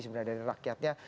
sebenarnya dari rakyatnya